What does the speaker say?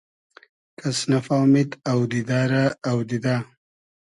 کئس نئفامید اۆدیدۂ رۂ اۆدیدۂ